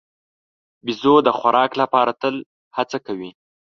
بیزو د خوراک لپاره تل هڅه کوي.